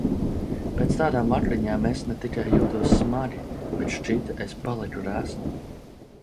Pēc tādām vakariņām es ne tikai jūtos smagi, bet šķita es paliku resna.